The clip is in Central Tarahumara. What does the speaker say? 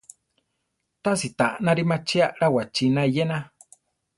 Tási ta anári machí aʼlá wachína iyéna.